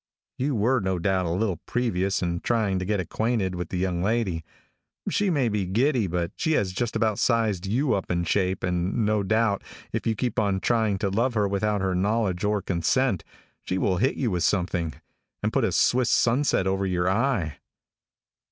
You were, no doubt, a little previous in trying to get acquainted with the young lady. She may be giddy, but she has just about sized you up in shape, and no doubt, if you keep on trying to love her without her knowledge or consent, she will hit you with something, and put a Swiss sunset over your eye.